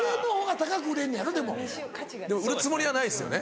でも売るつもりはないですよね。